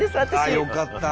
よかった。